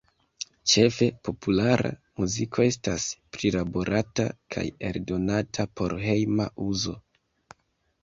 Ĉefe populara muziko estas prilaborata kaj eldonata por hejma uzo.